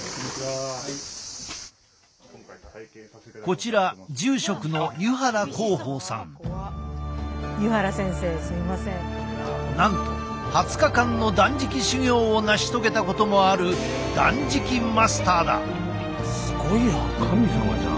こちらなんと２０日間の断食修行を成し遂げたこともあるすごいやん。